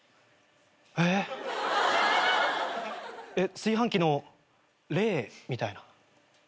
炊飯器の霊みたいな？